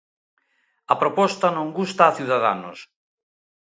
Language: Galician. A proposta non gusta a Ciudadanos...